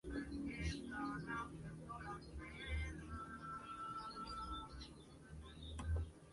Ha estado destinado en las representaciones diplomáticas españolas en Rumanía, Marruecos y Comunidades Europeas.